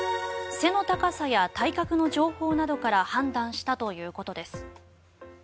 背の高さや体格の情報などから判断したということです。